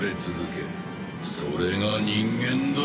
それが人間だ！